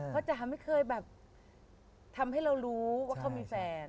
เขาจะไม่เคยทำให้เรารู้ว่าเขามีแฟน